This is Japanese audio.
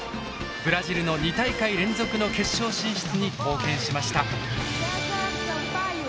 ブラジルの２大会連続の決勝進出に貢献しました。